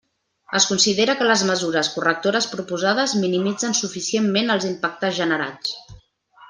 Es considera que les mesures correctores proposades minimitzen suficientment els impactes generats.